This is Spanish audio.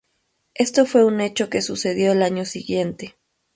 Esto fue un hecho que sucedió el año siguiente.